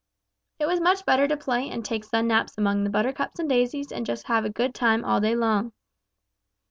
It was much better to play and take sun naps among the buttercups and daisies and just have a good time all day long.